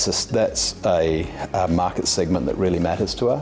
itu adalah segmen pasar yang sangat penting untuk kita